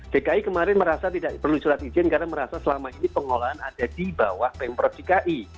dki kemarin merasa tidak perlu surat izin karena merasa selama ini pengolahan ada di bawah pemprov dki